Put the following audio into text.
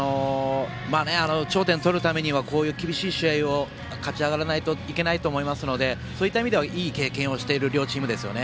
頂点とるためにはこういう厳しい試合を勝ち上がらないといけないと思いますのでそういった意味ではいい経験をしている両チームですね